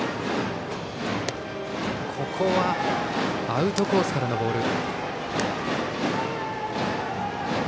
アウトコースからのボール。